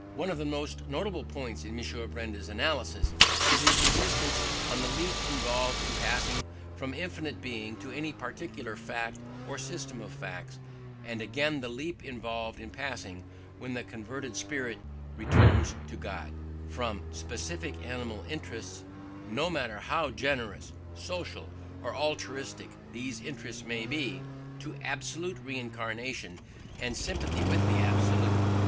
One of the most notable points in M. Benda's analysis is his insistence on the leap involved in passing from infinite Being to any particular fact or system of facts; and again the leap involved in passing, when the converted spirit "returns to God", from specific animal interests no matter how generous, social, or altruistic these interests may be to absolute renunciation and sympathy with the absolute.